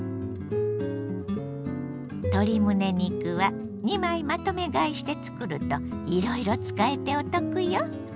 鶏むね肉は２枚まとめ買いしてつくるといろいろ使えてお得よ。